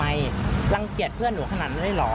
แล้วก็แยกย้ายกันไปเธอก็เลยมาแจ้งความ